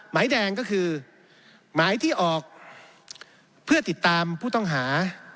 หมายแดงก็คือหมายที่ออกเพื่อติดตามผู้ต้องหา